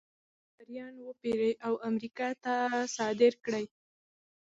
له افریقا مریان وپېري او امریکا ته صادر کړي.